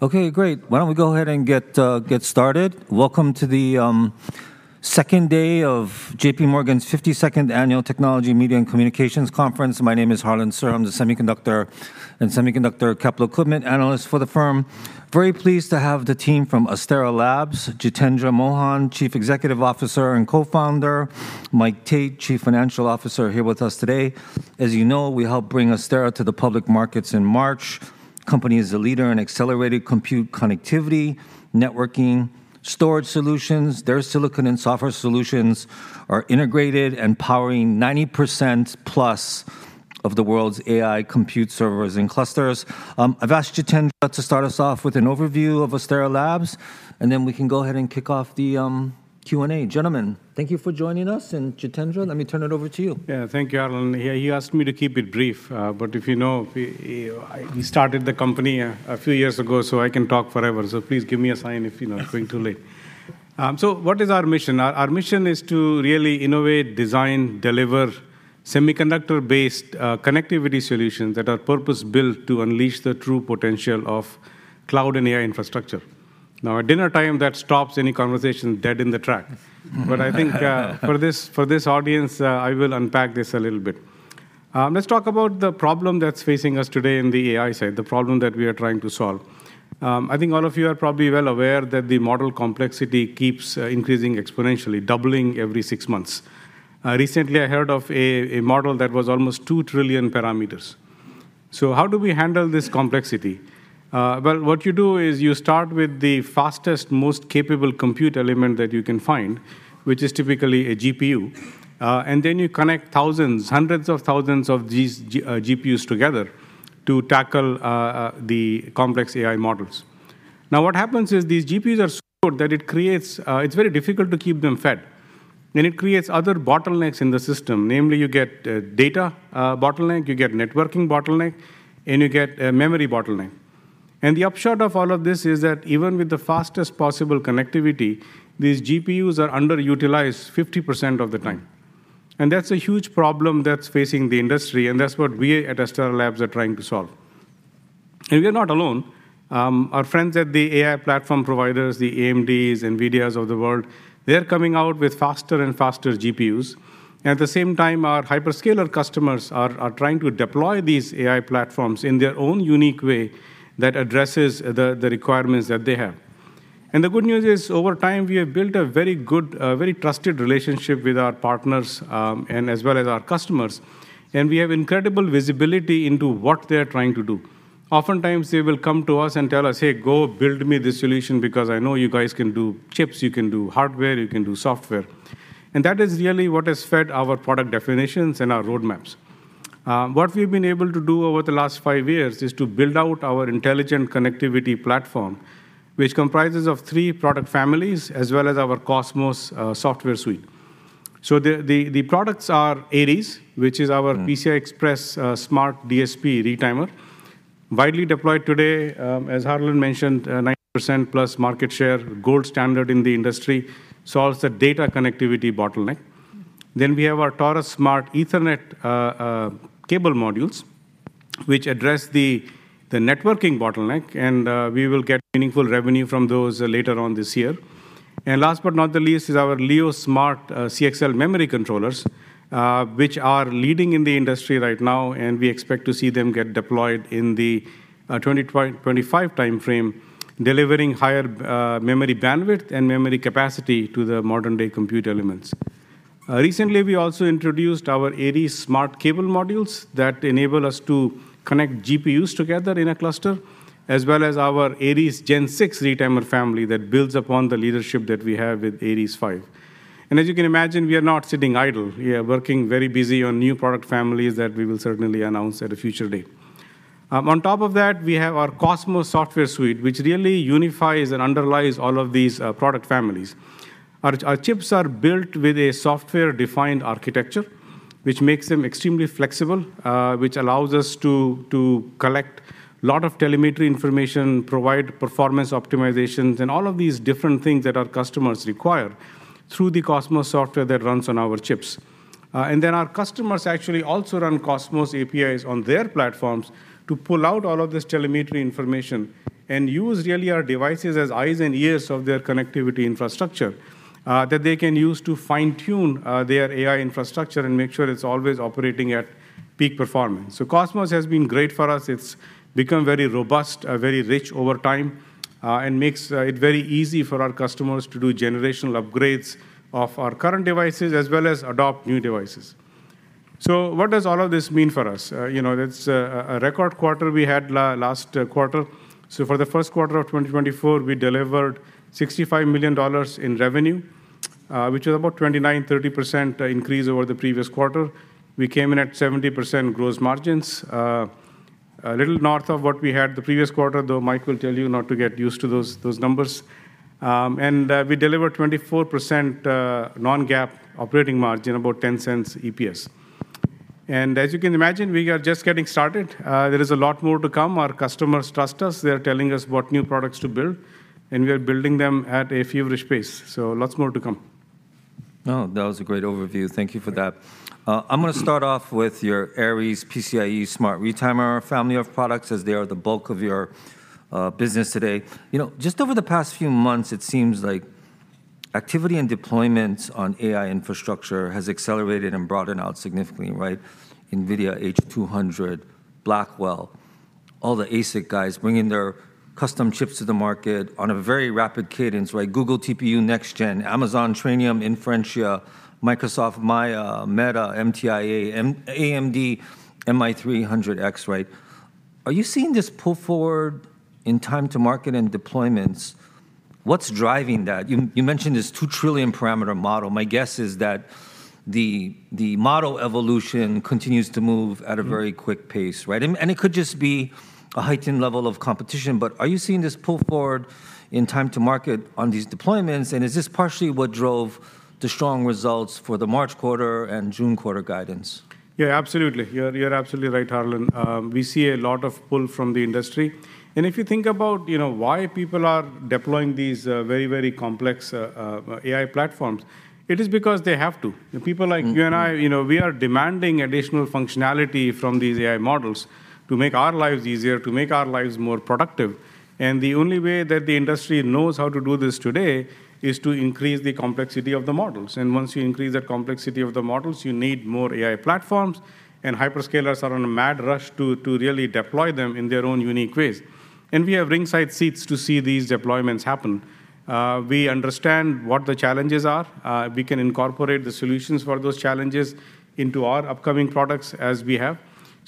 Okay, great! Why don't we go ahead and get started? Welcome to the second day of J.P. Morgan's fifty-second Annual Technology Media and Communications Conference. My name is Harlan Sur. I'm the semiconductor and semiconductor capital equipment analyst for the firm. Very pleased to have the team from Astera Labs, Jitendra Mohan, Chief Executive Officer and Co-founder; Mike Tate, Chief Financial Officer, here with us today. As you know, we helped bring Astera to the public markets in March. Company is a leader in accelerated compute connectivity, networking, storage solutions. Their silicon and software solutions are integrated and powering 90% plus of the world's AI compute servers and clusters. I've asked Jitendra to start us off with an overview of Astera Labs, and then we can go ahead and kick off the Q&A. Gentlemen, thank you for joining us, and, Jitendra, let me turn it over to you. Yeah. Thank you, Harlan. Yeah, you asked me to keep it brief, but if you know, we started the company a few years ago, so I can talk forever. So please give me a sign if, you know, I'm going too late. So what is our mission? Our mission is to really innovate, design, deliver semiconductor-based connectivity solutions that are purpose-built to unleash the true potential of cloud and AI infrastructure. Now, at dinnertime, that stops any conversation dead in the track. But I think, for this audience, I will unpack this a little bit. Let's talk about the problem that's facing us today in the AI side, the problem that we are trying to solve. I think all of you are probably well aware that the model complexity keeps increasing exponentially, doubling every six months. Recently I heard of a model that was almost 2 trillion parameters. So how do we handle this complexity? Well, what you do is you start with the fastest, most capable compute element that you can find, which is typically a GPU, and then you connect thousands, hundreds of thousands of these GPUs together to tackle the complex AI models. Now, what happens is these GPUs are so good that it creates... it's very difficult to keep them fed, and it creates other bottlenecks in the system. Namely, you get a data bottleneck, you get networking bottleneck, and you get a memory bottleneck. The upshot of all of this is that even with the fastest possible connectivity, these GPUs are underutilized 50% of the time, and that's a huge problem that's facing the industry, and that's what we at Astera Labs are trying to solve. We are not alone. Our friends at the AI platform providers, the AMDs, NVIDIAs of the world, they're coming out with faster and faster GPUs. At the same time, our hyperscaler customers are trying to deploy these AI platforms in their own unique way that addresses the requirements that they have. The good news is, over time, we have built a very good, very trusted relationship with our partners, and as well as our customers, and we have incredible visibility into what they're trying to do. Oftentimes, they will come to us and tell us, "Hey, go build me this solution because I know you guys can do chips, you can do hardware, you can do software." And that is really what has fed our product definitions and our roadmaps. What we've been able to do over the last five years is to build out our intelligent connectivity platform, which comprises of three product families, as well as our Cosmos software suite. So the products are Aries, which is our- Mm... PCI Express smart DSP retimer, widely deployed today. As Harlan mentioned, 90%+ market share, gold standard in the industry, solves the data connectivity bottleneck. Then we have our Taurus smart Ethernet cable modules, which address the networking bottleneck, and we will get meaningful revenue from those later on this year. And last but not the least is our Leo smart CXL memory controllers, which are leading in the industry right now, and we expect to see them get deployed in the 25 timeframe, delivering higher memory bandwidth and memory capacity to the modern-day compute elements. Recently, we also introduced our Aries smart cable modules that enable us to connect GPUs together in a cluster, as well as our Aries Gen 6 retimer family that builds upon the leadership that we have with Aries 5. As you can imagine, we are not sitting idle. We are working very busy on new product families that we will certainly announce at a future date. On top of that, we have our Cosmos software suite, which really unifies and underlies all of these product families. Our, our chips are built with a software-defined architecture, which makes them extremely flexible, which allows us to to collect a lot of telemetry information, provide performance optimizations, and all of these different things that our customers require through the Cosmos software that runs on our chips. And then our customers actually also run Cosmos APIs on their platforms to pull out all of this telemetry information and use, really, our devices as eyes and ears of their connectivity infrastructure, that they can use to fine-tune their AI infrastructure and make sure it's always operating at peak performance. So Cosmos has been great for us. It's become very robust, very rich over time, and makes it very easy for our customers to do generational upgrades of our current devices, as well as adopt new devices. So what does all of this mean for us? You know, that's a record quarter we had last quarter. So for the first quarter of 2024, we delivered $65 million in revenue, which is about 29%-30% increase over the previous quarter. We came in at 70% gross margins, a little north of what we had the previous quarter, though Mike will tell you not to get used to those, those numbers. We delivered 24% non-GAAP operating margin, about $0.10 EPS. As you can imagine, we are just getting started. There is a lot more to come. Our customers trust us. They are telling us what new products to build, and we are building them at a feverish pace, so lots more to come. ... Oh, that was a great overview. Thank you for that. I'm gonna start off with your Aries PCIe Smart Retimer family of products, as they are the bulk of your business today. You know, just over the past few months, it seems like activity and deployments on AI infrastructure has accelerated and broadened out significantly, right? NVIDIA H200, Blackwell, all the ASIC guys bringing their custom chips to the market on a very rapid cadence, right? Google TPU Next Gen, Amazon Trainium Inferentia, Microsoft Maia, Meta MTIA, AMD MI300X, right? Are you seeing this pull forward in time to market and deployments? What's driving that? You mentioned this 2 trillion parameter model. My guess is that the model evolution continues to move at a- Mm... very quick pace, right? And it could just be a heightened level of competition, but are you seeing this pull forward in time to market on these deployments, and is this partially what drove the strong results for the March quarter and June quarter guidance? Yeah, absolutely. You're absolutely right, Harlan. We see a lot of pull from the industry. And if you think about, you know, why people are deploying these very, very complex AI platforms, it is because they have to. Mm. The people like you and I, you know, we are demanding additional functionality from these AI models to make our lives easier, to make our lives more productive, and the only way that the industry knows how to do this today is to increase the complexity of the models. And once you increase the complexity of the models, you need more AI platforms, and hyperscalers are on a mad rush to really deploy them in their own unique ways. And we have ringside seats to see these deployments happen. We understand what the challenges are. We can incorporate the solutions for those challenges into our upcoming products as we have.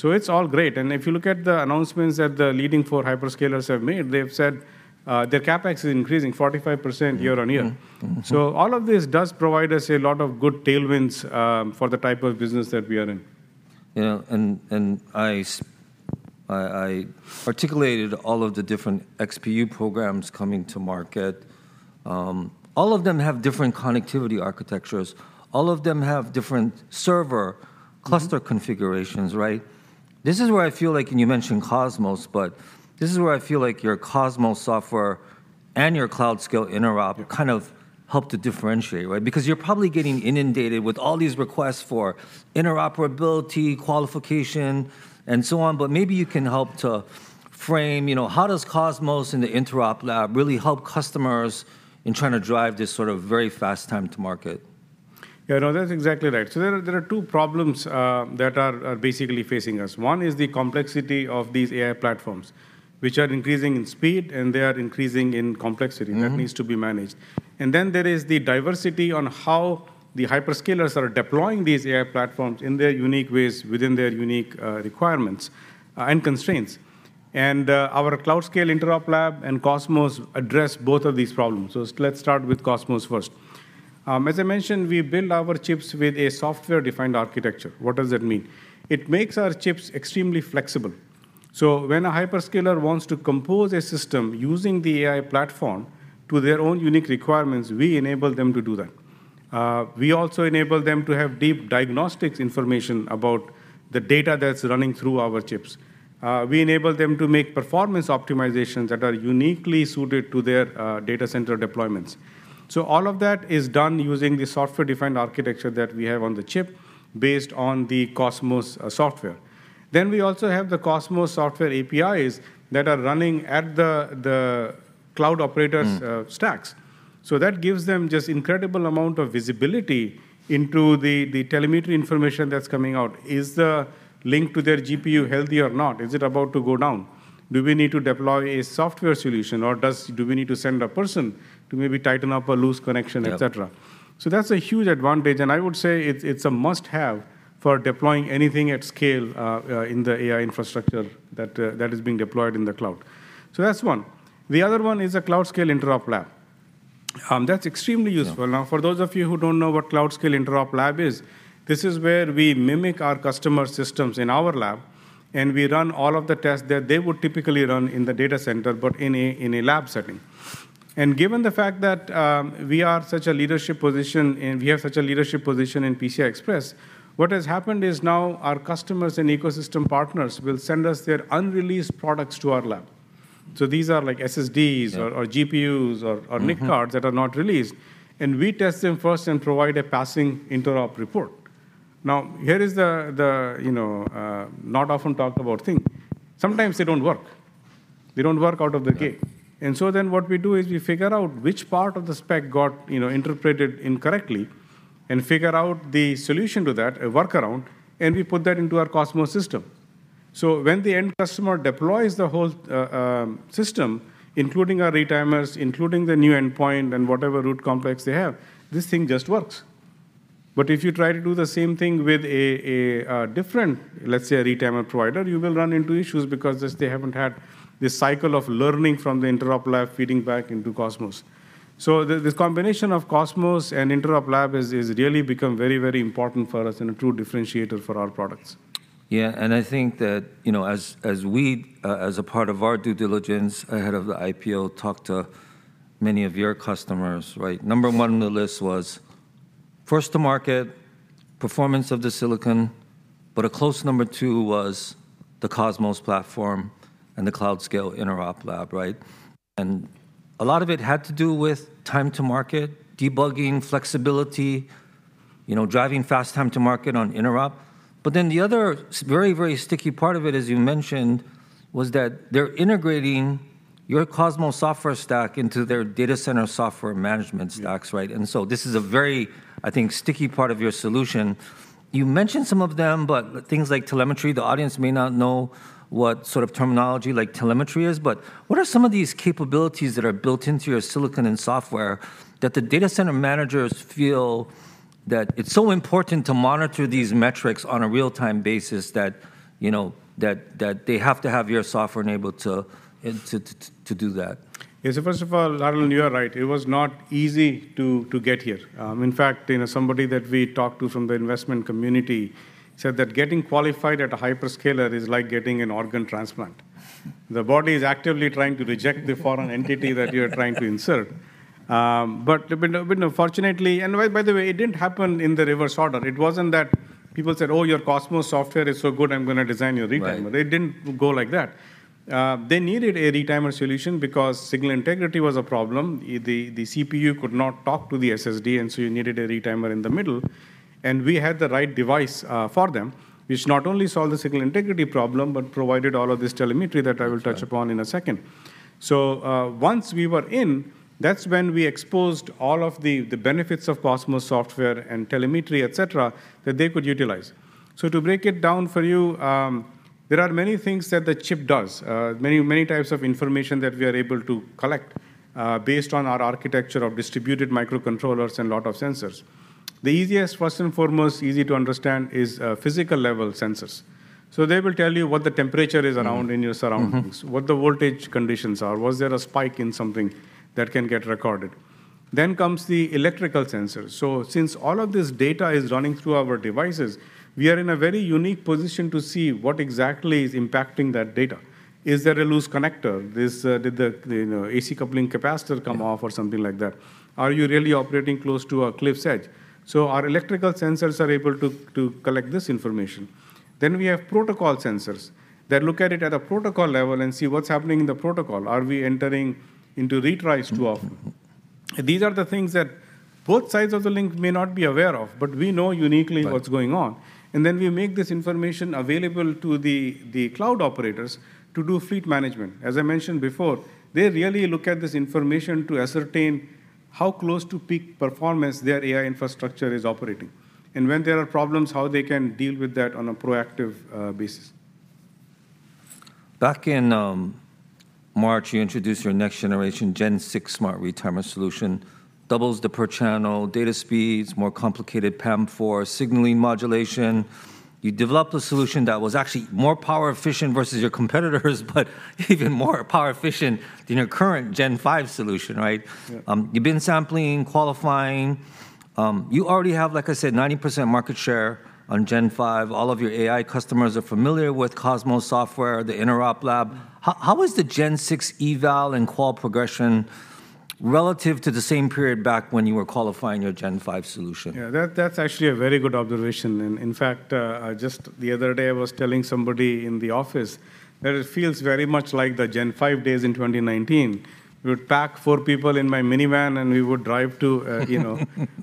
So it's all great, and if you look at the announcements that the leading four hyperscalers have made, they have said their CapEx is increasing 45% year-over-year. Mm, mm, mm. So all of this does provide us a lot of good tailwinds for the type of business that we are in. You know, I articulated all of the different XPU programs coming to market. All of them have different connectivity architectures. All of them have different server- Mm... cluster configurations, right? This is where I feel like, and you mentioned Cosmos, but this is where I feel like your Cosmos software and your Cloud-Scale Interop kind of help to differentiate, right? Because you're probably getting inundated with all these requests for interoperability, qualification, and so on, but maybe you can help to frame, you know, how does Cosmos and the Interop Lab really help customers in trying to drive this sort of very fast time to market? Yeah, no, that's exactly right. So there are two problems that are basically facing us. One is the complexity of these AI platforms, which are increasing in speed, and they are increasing in complexity- Mm... that needs to be managed. And then there is the diversity on how the hyperscalers are deploying these AI platforms in their unique ways within their unique, requirements, and constraints. And our Cloud-Scale Interop Lab and Cosmos address both of these problems. So let's start with Cosmos first. As I mentioned, we build our chips with a software-defined architecture. What does that mean? It makes our chips extremely flexible. So when a hyperscaler wants to compose a system using the AI platform to their own unique requirements, we enable them to do that. We also enable them to have deep diagnostics information about the data that's running through our chips. We enable them to make performance optimizations that are uniquely suited to their, data center deployments. So all of that is done using the software-defined architecture that we have on the chip, based on the Cosmos software. Then we also have the Cosmos software APIs that are running at the cloud operators'- Mm... stacks. So that gives them just incredible amount of visibility into the telemetry information that's coming out. Is the link to their GPU healthy or not? Is it about to go down? Do we need to deploy a software solution, or do we need to send a person to maybe tighten up a loose connection, et cetera? Yeah. So that's a huge advantage, and I would say it's, it's a must-have for deploying anything at scale, in the AI infrastructure that, that is being deployed in the cloud. So that's one. The other one is a Cloud-Scale Interop Lab. That's extremely useful. Yeah. Now, for those of you who don't know what Cloud-Scale Interop Lab is, this is where we mimic our customer systems in our lab, and we run all of the tests that they would typically run in the data center, but in a lab setting. Given the fact that we are such a leadership position, and we have such a leadership position in PCI Express, what has happened is now our customers and ecosystem partners will send us their unreleased products to our lab. So these are, like, SSDs- Yeah... or GPUs or NIC cards- Mm... that are not released, and we test them first and provide a passing interop report. Now, here is the, the, you know, not often talked about thing. Sometimes they don't work. They don't work out of the gate. Yeah. What we do is, we figure out which part of the spec got, you know, interpreted incorrectly, and figure out the solution to that, a workaround, and we put that into our Cosmos system. So when the end customer deploys the whole system, including our retimers, including the new endpoint and whatever root complex they have, this thing just works. But if you try to do the same thing with a different, let's say, a retimer provider, you will run into issues because they haven't had the cycle of learning from the Interop Lab feeding back into Cosmos. So this combination of Cosmos and Interop Lab has really become very, very important for us and a true differentiator for our products. Yeah, and I think that, you know, as a part of our due diligence ahead of the IPO, talked to many of your customers, right? Number one on the list was first to market, performance of the silicon... but a close number two was the Cosmos platform and the Cloud-Scale Interop Lab, right? And a lot of it had to do with time to market, debugging, flexibility, you know, driving fast time to market on Interop. But then the other very, very sticky part of it, as you mentioned, was that they're integrating your Cosmos software stack into their data center software management stacks- Yeah. Right? And so this is a very, I think, sticky part of your solution. You mentioned some of them, but things like telemetry, the audience may not know what sort of terminology like telemetry is, but what are some of these capabilities that are built into your silicon and software, that the data center managers feel that it's so important to monitor these metrics on a real-time basis that, you know, that they have to have your software enabled to do that? Yes, so first of all, Harlan, you are right. It was not easy to get here. In fact, you know, somebody that we talked to from the investment community said that getting qualified at a hyperscaler is like getting an organ transplant. The body is actively trying to reject the foreign entity that you are trying to insert. But unfortunately, and by the way, it didn't happen in the reverse order. It wasn't that people said: "Oh, your Cosmos software is so good, I'm gonna design your retimer. Right. It didn't go like that. They needed a retimer solution because signal integrity was a problem. The CPU could not talk to the SSD, and so you needed a retimer in the middle, and we had the right device, for them, which not only solved the signal integrity problem, but provided all of this telemetry that I will touch upon in a second. Yeah. So, once we were in, that's when we exposed all of the, the benefits of Cosmos software and telemetry, et cetera, that they could utilize. So to break it down for you, there are many things that the chip does, many, many types of information that we are able to collect, based on our architecture of distributed microcontrollers and lot of sensors. The easiest, first and foremost, easy to understand, is physical-level sensors. So they will tell you what the temperature is around- Mm... in your surroundings. Mm-hmm. What the voltage conditions are. Was there a spike in something that can get recorded? Then comes the electrical sensors. So since all of this data is running through our devices, we are in a very unique position to see what exactly is impacting that data. Is there a loose connector? This, you know, AC coupling capacitor come off- Yeah... or something like that? Are you really operating close to a cliff's edge? So our electrical sensors are able to collect this information. Then we have protocol sensors that look at it at a protocol level and see what's happening in the protocol. Are we entering into retries too often? Mm-hmm. Mm-hmm. These are the things that both sides of the link may not be aware of, but we know uniquely what's going on. Right. And then we make this information available to the cloud operators to do fleet management. As I mentioned before, they really look at this information to ascertain how close to peak performance their AI infrastructure is operating, and when there are problems, how they can deal with that on a proactive basis. Back in March, you introduced your next generation Gen 6 smart retimer solution. Doubles the per-channel data speeds, more complicated PAM-4 signaling modulation. You developed a solution that was actually more power efficient versus your competitors, but even more power efficient than your current Gen 5 solution, right? Yeah. You've been sampling, qualifying. You already have, like I said, 90% market share on Gen 5. All of your AI customers are familiar with Cosmos software, the Interop lab. How is the Gen 6 eval and qual progression relative to the same period back when you were qualifying your Gen 5 solution? Yeah, that's actually a very good observation, and in fact, the other day, I was telling somebody in the office that it feels very much like the Gen 5 days in 2019. We would pack four people in my minivan, and we would drive to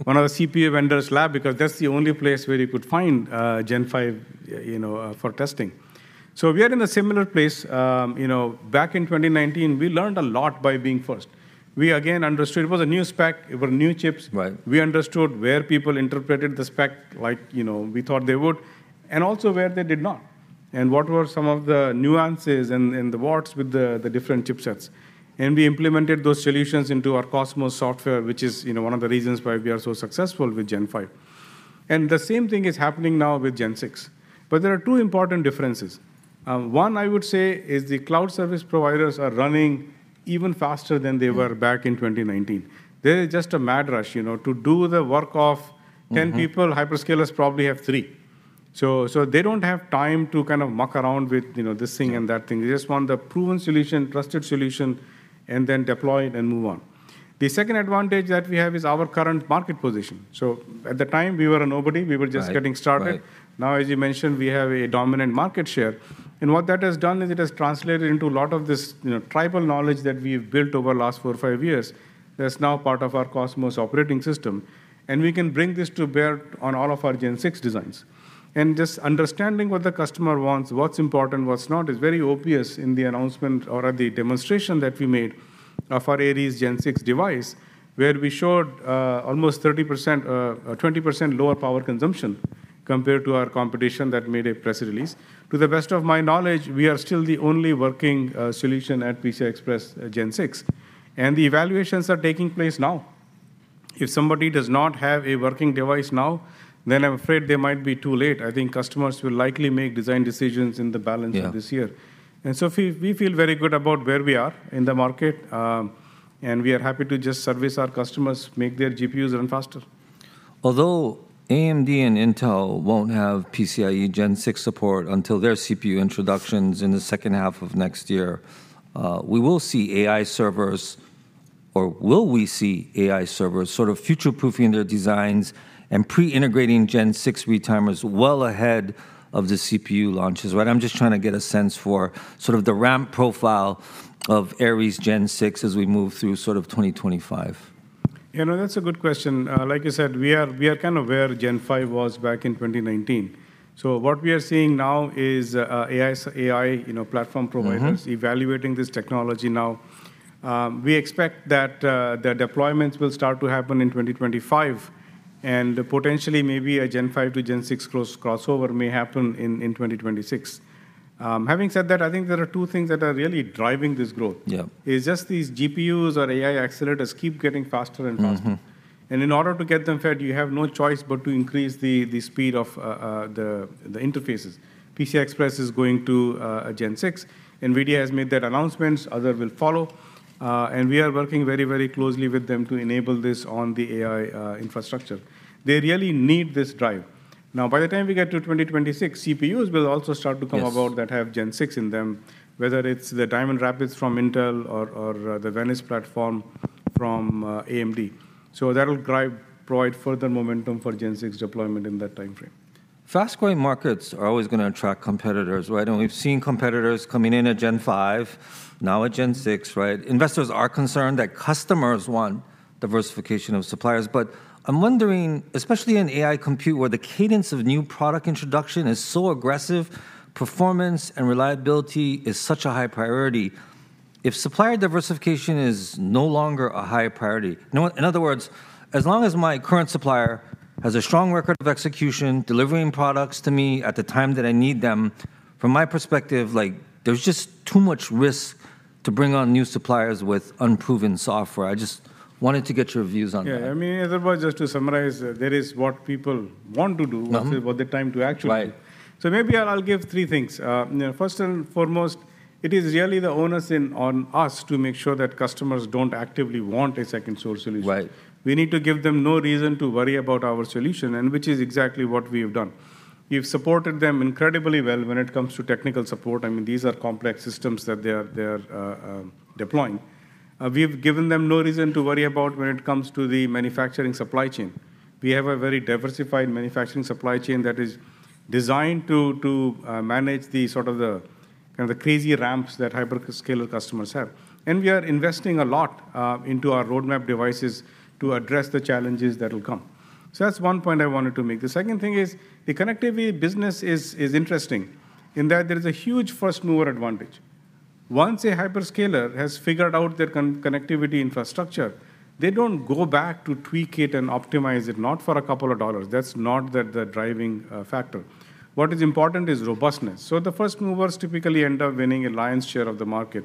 one of the CPU vendor's lab because that's the only place where you could find Gen 5 for testing. So we are in a similar place. You know, back in 2019, we learned a lot by being first. We again understood it was a new spec, it were new chips. Right. We understood where people interpreted the spec, like, you know, we thought they would, and also where they did not, and what were some of the nuances and the warts with the different chipsets. We implemented those solutions into our Cosmos software, which is, you know, one of the reasons why we are so successful with Gen 5. The same thing is happening now with Gen 6, but there are two important differences. One, I would say, is the cloud service providers are running even faster than they were- Mm... back in 2019. There is just a mad rush, you know, to do the work of- Mm-hmm... 10 people. Hyperscalers probably have three. So, so they don't have time to kind of muck around with, you know, this thing and that thing. Yeah. They just want the proven solution, trusted solution, and then deploy it and move on. The second advantage that we have is our current market position. So at the time, we were a nobody. Right. We were just getting started. Right. Now, as you mentioned, we have a dominant market share, and what that has done is it has translated into a lot of this, you know, tribal knowledge that we've built over the last 4-5 years, that's now part of our Cosmos operating system, and we can bring this to bear on all of our Gen 6 designs. And just understanding what the customer wants, what's important, what's not, is very obvious in the announcement or the demonstration that we made for Aries Gen 6 device, where we showed almost 30% 20% lower power consumption compared to our competition that made a press release. To the best of my knowledge, we are still the only working solution at PCIe Gen 6, and the evaluations are taking place now. If somebody does not have a working device now, then I'm afraid they might be too late. I think customers will likely make design decisions in the balance of this year. Yeah. So we feel very good about where we are in the market, and we are happy to just service our customers, make their GPUs run faster. Although AMD and Intel won't have PCIe Gen 6 support until their CPU introductions in the second half of next year, we will see AI servers or will we see AI servers sort of future-proofing their designs and pre-integrating Gen 6 retimers well ahead of the CPU launches, right? I'm just trying to get a sense for sort of the ramp profile of Aries Gen 6 as we move through sort of 2025. You know, that's a good question. Like you said, we are, we are kind of where Gen 5 was back in 2019. So what we are seeing now is AI, AI, you know, platform providers- Mm-hmm - evaluating this technology now. We expect that their deployments will start to happen in 2025, and potentially maybe a Gen 5 to Gen 6 close crossover may happen in 2026. Having said that, I think there are two things that are really driving this growth- Yeah Is just these GPUs or AI accelerators keep getting faster and faster. Mm-hmm. And in order to get them fed, you have no choice but to increase the speed of the interfaces. PCI Express is going to a Gen 6. NVIDIA has made that announcement, others will follow. And we are working very, very closely with them to enable this on the AI infrastructure. They really need this drive. Now, by the time we get to 2026, CPUs will also start to come about- Yes... that have Gen 6 in them, whether it's the Diamond Rapids from Intel or the Venice platform from AMD. So that will provide further momentum for Gen 6 deployment in that time frame. Fast-growing markets are always gonna attract competitors, right? And we've seen competitors coming in at Gen 5, now at Gen 6, right? Investors are concerned that customers want diversification of suppliers. But I'm wondering, especially in AI compute, where the cadence of new product introduction is so aggressive, performance and reliability is such a high priority, if supplier diversification is no longer a high priority... In other words, as long as my current supplier has a strong record of execution, delivering products to me at the time that I need them, from my perspective, like, there's just too much risk to bring on new suppliers with unproven software. I just wanted to get your views on that. Yeah, I mean, otherwise, just to summarize, there is what people want to do- Mm-hmm... versus what the time to actually do. Right. So maybe I'll give three things. First and foremost, it is really the onus on us to make sure that customers don't actively want a second source solution. Right. We need to give them no reason to worry about our solution, and which is exactly what we have done. We've supported them incredibly well when it comes to technical support. I mean, these are complex systems that they are deploying. We've given them no reason to worry about when it comes to the manufacturing supply chain. We have a very diversified manufacturing supply chain that is designed to manage the sort of the, kind of the crazy ramps that hyperscaler customers have. And we are investing a lot into our roadmap devices to address the challenges that will come. So that's one point I wanted to make. The second thing is, the connectivity business is interesting in that there is a huge first-mover advantage. Once a hyperscaler has figured out their connectivity infrastructure, they don't go back to tweak it and optimize it, not for a couple of dollars. That's not the driving factor. What is important is robustness. So the first movers typically end up winning a lion's share of the market.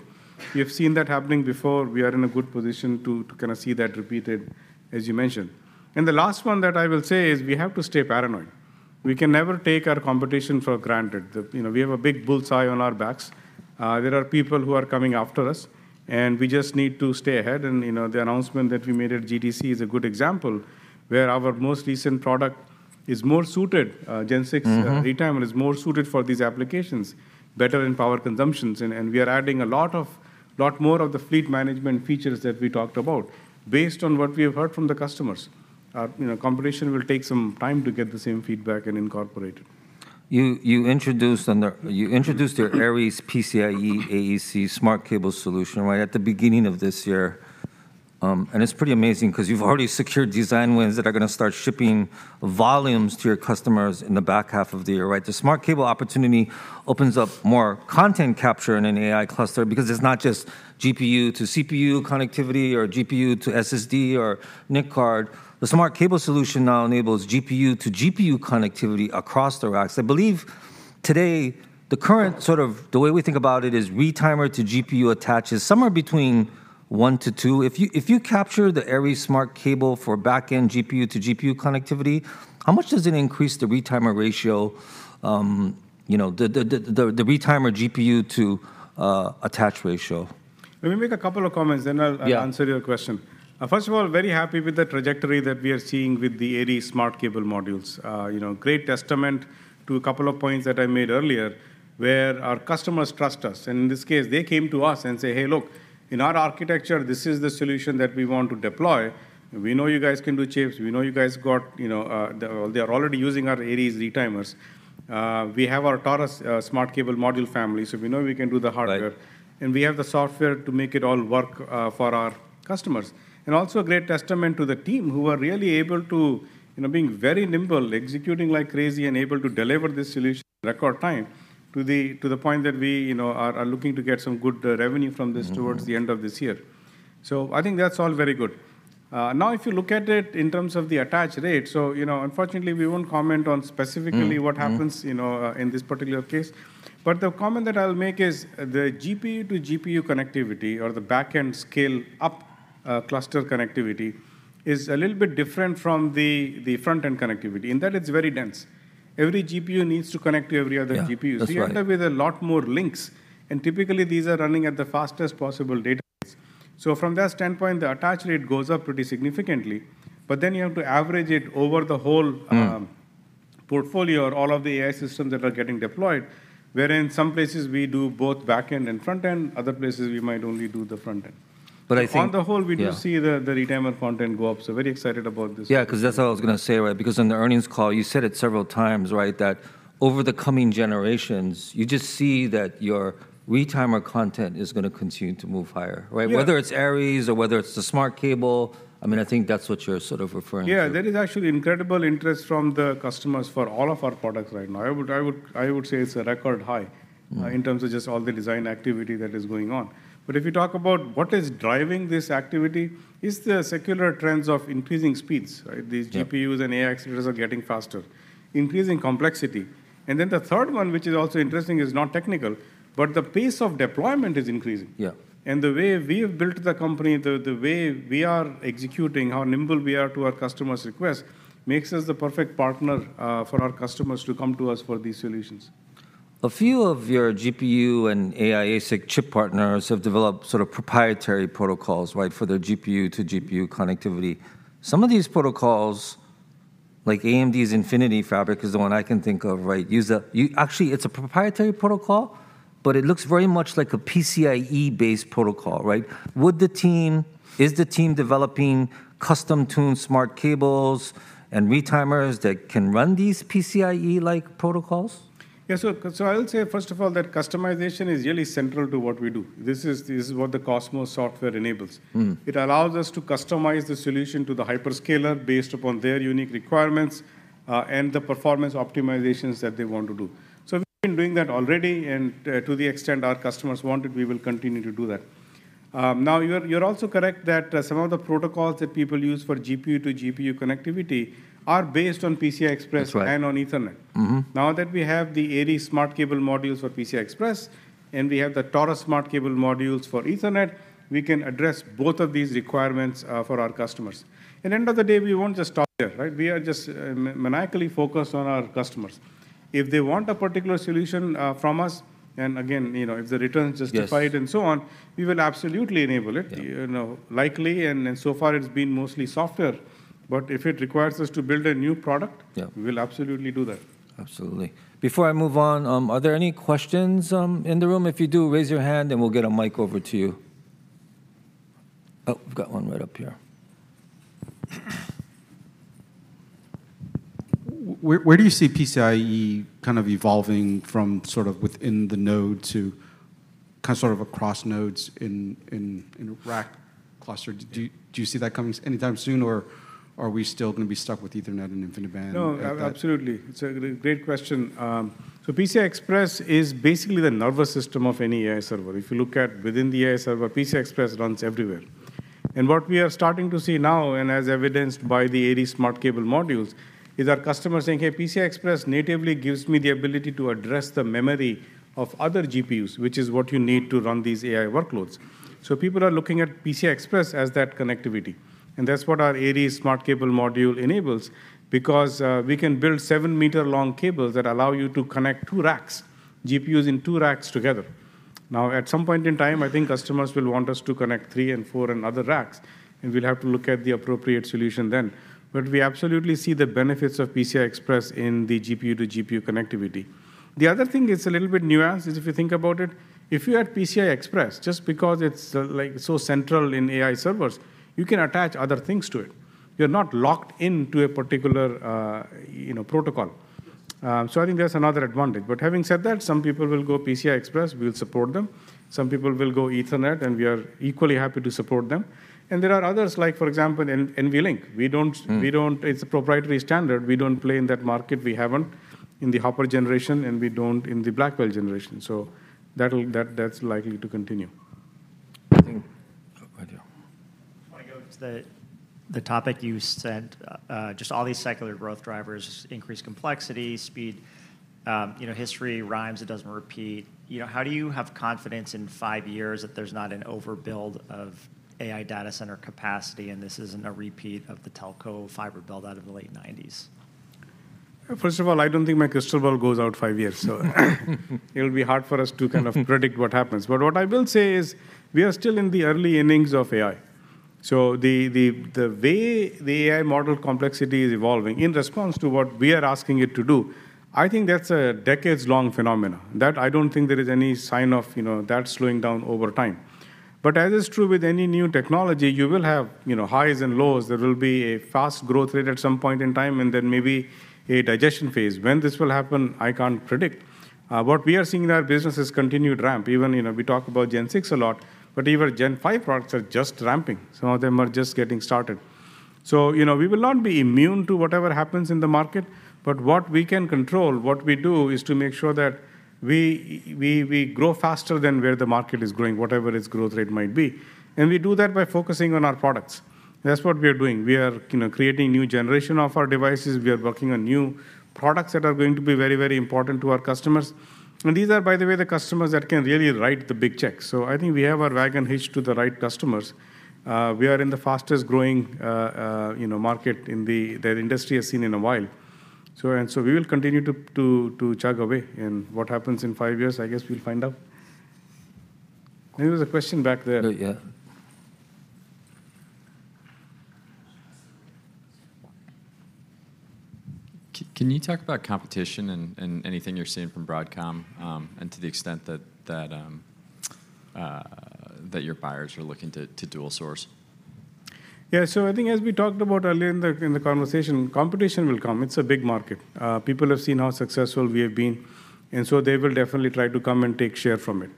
We have seen that happening before. We are in a good position to kind of see that repeated, as you mentioned. And the last one that I will say is we have to stay paranoid. We can never take our competition for granted. You know, we have a big bull's-eye on our backs. There are people who are coming after us, and we just need to stay ahead. And, you know, the announcement that we made at GTC is a good example, where our most recent product is more suited, Gen six- Mm-hmm... the retimer is more suited for these applications, better in power consumptions, and we are adding a lot more of the fleet management features that we talked about based on what we have heard from the customers. You know, competition will take some time to get the same feedback and incorporate it. You introduced your Aries PCIe AEC smart cable solution, right, at the beginning of this year. And it's pretty amazing because you've already secured design wins that are gonna start shipping volumes to your customers in the back half of the year, right? The smart cable opportunity opens up more content capture in an AI cluster because it's not just GPU to CPU connectivity or GPU to SSD or NIC card. The smart cable solution now enables GPU to GPU connectivity across the racks. I believe today, the current, sort of the way we think about it, is retimer to GPU attaches somewhere between 1-2. If you capture the Aries smart cable for back-end GPU to GPU connectivity, how much does it increase the retimer ratio, you know, the retimer GPU to attach ratio? Let me make a couple of comments, then I'll- Yeah... answer your question. First of all, very happy with the trajectory that we are seeing with the Aries smart cable modules. You know, great testament to a couple of points that I made earlier, where our customers trust us, and in this case, they came to us and say: "Hey, look, in our architecture, this is the solution that we want to deploy. We know you guys can do chips. We know you guys got..." You know, they are already using our Aries retimers. We have our Taurus smart cable module family, so we know we can do the hardware. Right. And we have the software to make it all work for our customers. And also a great testament to the team, who are really able to, you know, being very nimble, executing like crazy, and able to deliver this solution record time, to the point that we, you know, are looking to get some good revenue from this- Mm-hmm... towards the end of this year. I think that's all very good. Now, if you look at it in terms of the attach rate, so, you know, unfortunately, we won't comment on specifically- Mm, mm-hmm... what happens, you know, in this particular case. But the comment that I'll make is, the GPU-to-GPU connectivity or the back-end scale-up cluster connectivity is a little bit different from the front-end connectivity, in that it's very dense. Every GPU needs to connect to every other GPU. Yeah, that's right. So you end up with a lot more links, and typically, these are running at the fastest possible data rates. So from that standpoint, the attach rate goes up pretty significantly, but then you have to average it over the whole portfolio or all of the AI systems that are getting deployed, wherein some places we do both backend and front end, other places we might only do the front end. But I think- On the whole- Yeah... we do see the Retimer content go up, so very excited about this. Yeah, 'cause that's what I was gonna say, right? Because in the earnings call, you said it several times, right, that over the coming generations, you just see that your retimer content is gonna continue to move higher, right? Yeah. Whether it's Aries or whether it's the smart cable, I mean, I think that's what you're sort of referring to. Yeah, there is actually incredible interest from the customers for all of our products right now. I would say it's a record high- Mm... in terms of just all the design activity that is going on. But if you talk about what is driving this activity, is the secular trends of increasing speeds, right? Yeah. These GPUs and AI accelerators are getting faster, increasing complexity. Then the third one, which is also interesting, is not technical, but the pace of deployment is increasing. Yeah. The way we have built the company, the way we are executing, how nimble we are to our customers' request, makes us the perfect partner for our customers to come to us for these solutions. A few of your GPU and AI ASIC chip partners have developed sort of proprietary protocols, right, for their GPU-to-GPU connectivity. Some of these protocols, like AMD's Infinity Fabric is the one I can think of, right, use actually, it's a proprietary protocol, but it looks very much like a PCIe-based protocol, right? Is the team developing custom-tuned smart cables and retimers that can run these PCIe-like protocols? Yeah, so, so I would say, first of all, that customization is really central to what we do. This is, this is what the Cosmos software enables. Mm. It allows us to customize the solution to the hyperscaler based upon their unique requirements, and the performance optimizations that they want to do. So we've been doing that already, and, to the extent our customers want it, we will continue to do that. Now, you're also correct that, some of the protocols that people use for GPU-to-GPU connectivity are based on PCI Express- That's right... and on Ethernet. Mm-hmm. Now that we have the Aries smart cable modules for PCI Express, and we have the Taurus smart cable modules for Ethernet, we can address both of these requirements for our customers. At the end of the day, we won't just stop there, right? We are just maniacally focused on our customers. If they want a particular solution from us, and again, you know, if the returns justify it- Yes... and so on, we will absolutely enable it. Yeah. You know, likely, and, and so far it's been mostly software, but if it requires us to build a new product- Yeah... we will absolutely do that. Absolutely. Before I move on, are there any questions in the room? If you do, raise your hand and we'll get a mic over to you. Oh, we've got one right up here. Where do you see PCIe kind of evolving from sort of within the node to kind of sort of across nodes in rack cluster? Do you see that coming anytime soon, or are we still gonna be stuck with Ethernet and InfiniBand? No, absolutely. It's a great question. So PCI Express is basically the nervous system of any AI server. If you look at within the AI server, PCI Express runs everywhere. And what we are starting to see now, and as evidenced by the Aries smart cable modules, is our customers saying, "Hey, PCI Express natively gives me the ability to address the memory of other GPUs," which is what you need to run these AI workloads. So people are looking at PCI Express as that connectivity, and that's what our Aries smart cable module enables, because we can build seven-meter-long cables that allow you to connect two racks, GPUs in two racks together. Now, at some point in time, I think customers will want us to connect three and four and other racks, and we'll have to look at the appropriate solution then. But we absolutely see the benefits of PCI Express in the GPU-to-GPU connectivity. The other thing is a little bit nuanced, is if you think about it, if you had PCI Express, just because it's, like, so central in AI servers, you can attach other things to it. You're not locked into a particular, you know, protocol. So I think that's another advantage. But having said that, some people will go PCI Express, we'll support them. Some people will go Ethernet, and we are equally happy to support them. And there are others, like, for example, NVLink. We don't- Mm... we don't. It's a proprietary standard. We don't play in that market. We haven't in the Hopper generation, and we don't in the Blackwell generation. So that's likely to continue. I think... Oh, right here. I wanna go to the, the topic you said, just all these secular growth drivers, increased complexity, speed, you know, history rhymes, it doesn't repeat. You know, how do you have confidence in five years that there's not an overbuild of AI data center capacity, and this isn't a repeat of the telco fiber build out of the late 1990s? First of all, I don't think my crystal ball goes out five years, so it'll be hard for us to kind of predict what happens. But what I will say is, we are still in the early innings of AI, so the way the AI model complexity is evolving in response to what we are asking it to do, I think that's a decades-long phenomenon. That, I don't think there is any sign of, you know, that slowing down over time. But as is true with any new technology, you will have, you know, highs and lows. There will be a fast growth rate at some point in time, and then maybe a digestion phase. When this will happen, I can't predict. What we are seeing in our business is continued ramp. Even, you know, we talk about Gen 6 a lot, but even Gen 5 products are just ramping. Some of them are just getting started. So, you know, we will not be immune to whatever happens in the market, but what we can control, what we do, is to make sure that we grow faster than where the market is growing, whatever its growth rate might be. And we do that by focusing on our products. That's what we are doing. We are, you know, creating new generation of our devices. We are working on new products that are going to be very, very important to our customers. And these are, by the way, the customers that can really write the big checks. So I think we have our wagon hitched to the right customers. We are in the fastest growing, you know, market that industry has seen in a while. So, and so we will continue to chug away. And what happens in five years, I guess we'll find out. There was a question back there. Yeah. Can you talk about competition and anything you're seeing from Broadcom, and to the extent that your buyers are looking to dual source? Yeah, so I think as we talked about earlier in the conversation, competition will come. It's a big market. People have seen how successful we have been, and so they will definitely try to come and take share from it.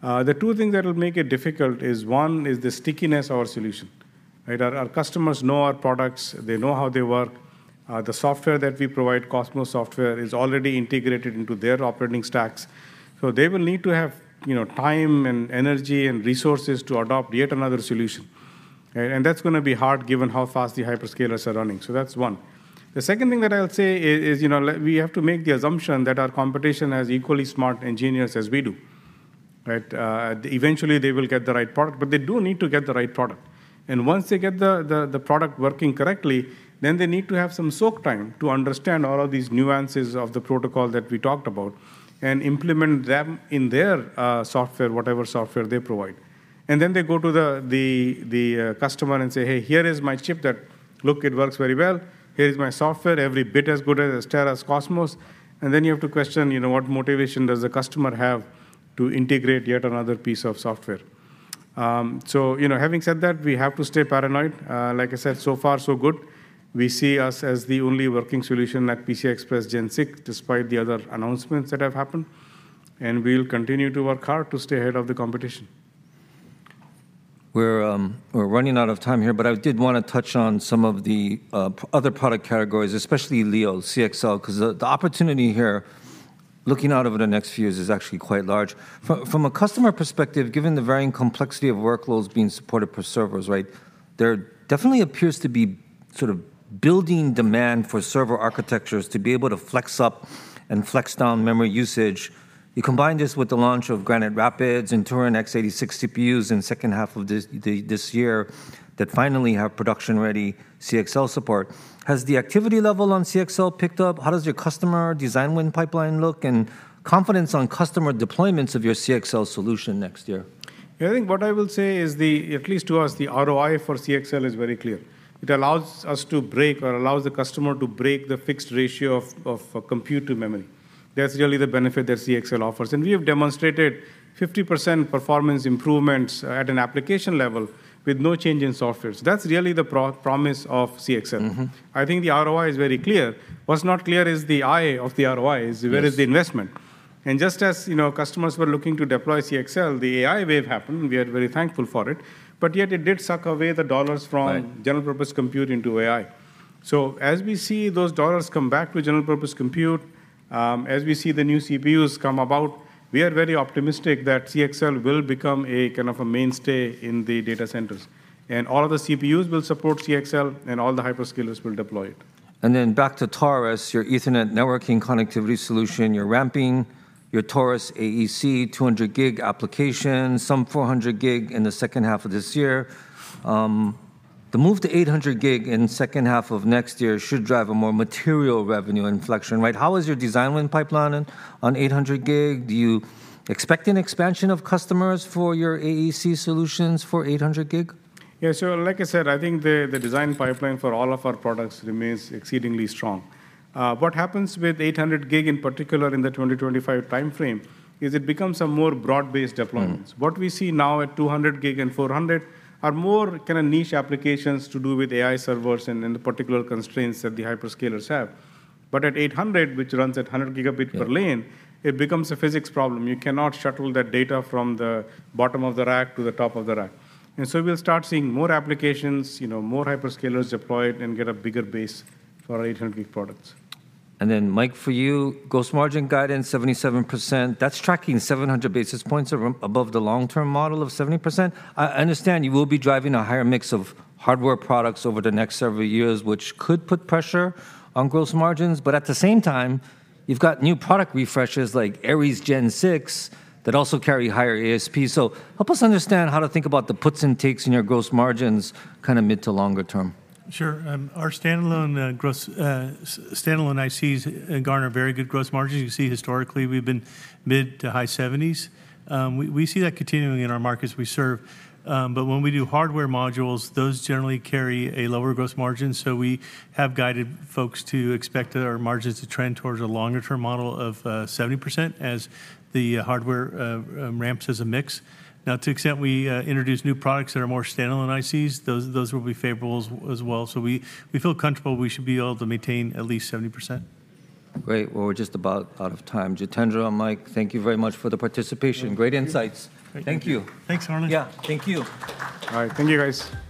The two things that will make it difficult is, one, the stickiness of our solution, right? Our customers know our products, they know how they work. The software that we provide, Cosmos software, is already integrated into their operating stacks, so they will need to have, you know, time and energy and resources to adopt yet another solution. And that's gonna be hard given how fast the hyperscalers are running, so that's one. The second thing that I'll say is, you know, we have to make the assumption that our competition has equally smart engineers as we do, right? Eventually, they will get the right product, but they do need to get the right product. And once they get the product working correctly, then they need to have some soak time to understand all of these nuances of the protocol that we talked about and implement them in their software, whatever software they provide. And then they go to the customer and say, "Hey, here is my chip that—look, it works very well. Here is my software, every bit as good as Astera's Cosmos." And then you have to question, you know, what motivation does the customer have to integrate yet another piece of software? So you know, having said that, we have to stay paranoid. Like I said, so far so good. We see us as the only working solution at PCI Express Gen 6, despite the other announcements that have happened, and we'll continue to work hard to stay ahead of the competition. We're running out of time here, but I did wanna touch on some of the other product categories, especially Leo CXL, 'cause the opportunity here, looking out over the next few years, is actually quite large. From a customer perspective, given the varying complexity of workloads being supported per servers, right? There definitely appears to be sort of building demand for server architectures to be able to flex up and flex down memory usage. You combine this with the launch of Granite Rapids and Turin x86 CPUs in second half of this year, that finally have production-ready CXL support. Has the activity level on CXL picked up? How does your customer design win pipeline look, and confidence on customer deployments of your CXL solution next year? Yeah, I think what I will say is the, at least to us, the ROI for CXL is very clear. It allows us to break, or allows the customer to break the fixed ratio of, of compute to memory. That's really the benefit that CXL offers. And we have demonstrated 50% performance improvements at an application level with no change in software. So that's really the promise of CXL. Mm-hmm. I think the ROI is very clear. What's not clear is the I of the ROI- Yes... where is the investment? And just as, you know, customers were looking to deploy CXL, the AI wave happened. We are very thankful for it. But yet it did suck away the dollars from- Right... general purpose compute into AI. So as we see those dollars come back to general purpose compute, as we see the new CPUs come about, we are very optimistic that CXL will become a kind of a mainstay in the data centers. And all of the CPUs will support CXL, and all the hyperscalers will deploy it. And then back to Taurus, your Ethernet networking connectivity solution. You're ramping your Taurus AEC 200 gig applications, some 400 gig in the second half of this year. The move to 800 gig in second half of next year should drive a more material revenue inflection, right? How is your design win pipeline on 800 gig? Do you expect an expansion of customers for your AEC solutions for 800 gig? Yeah, so like I said, I think the design pipeline for all of our products remains exceedingly strong. What happens with 800 gig in particular in the 2025 timeframe is it becomes a more broad-based deployment. Mm. What we see now at 200 gig and 400 are more kind of niche applications to do with AI servers and then the particular constraints that the hyperscalers have. But at 800, which runs at 100 gigabit per lane- Yeah... it becomes a physics problem. You cannot shuttle that data from the bottom of the rack to the top of the rack. And so we'll start seeing more applications, you know, more hyperscalers deploy it, and get a bigger base for our 800 gig products. And then, Mike, for you, gross margin guidance, 77%, that's tracking 700 basis points above the long-term model of 70%. I understand you will be driving a higher mix of hardware products over the next several years, which could put pressure on gross margins, but at the same time, you've got new product refreshes like Aries Gen 6, that also carry higher ASP. So help us understand how to think about the puts and takes in your gross margins, kind of mid to longer term. Sure. Our standalone gross standalone ICs garner very good gross margins. You can see historically, we've been mid- to high 70s%. We see that continuing in our markets we serve. But when we do hardware modules, those generally carry a lower gross margin, so we have guided folks to expect our margins to trend towards a longer-term model of 70% as the hardware ramps as a mix. Now, to the extent we introduce new products that are more standalone ICs, those will be favorable as well. So we feel comfortable we should be able to maintain at least 70%. Great. Well, we're just about out of time. Jitendra, Mike, thank you very much for the participation. Thank you. Great insights. Thank you. Thank you. Thanks, Harlan. Yeah, thank you. All right. Thank you, guys.